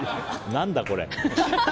何だこれ。